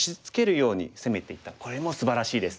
これもすばらしいです。